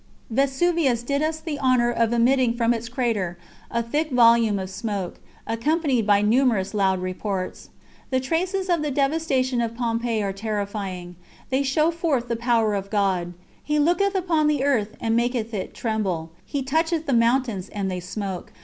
Vesuvius did us the honour of emitting from its crater a thick volume of smoke, accompanied by numerous loud reports. The traces of the devastation of Pompeii are terrifying. They show forth the power of God: "He looketh upon the earth, and maketh it tremble; He toucheth the mountains and they smoke."